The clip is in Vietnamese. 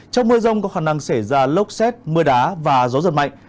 trong mưa rông có khả năng xảy ra lốc xét mưa đá và gió giật mạnh